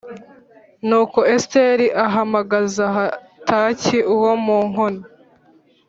Nuko Esiteri ahamagaza Hataki wo mu nkone